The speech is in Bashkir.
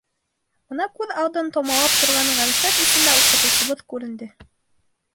Бына күҙ алдын томалап торған ғәрәсәт эсендә уҡытыусыбыҙ күренде.